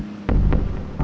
terima kasih bu